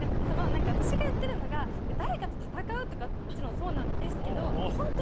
私が言ってるのが誰かと戦うとかってもちろんそうなんですけど。